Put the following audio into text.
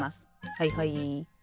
はいはい。